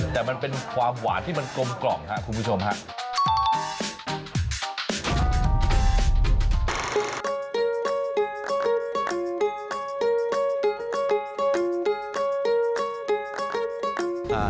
แต่มันเป็นความหวานที่มันกลมกล่อมครับคุณผู้ชมครับ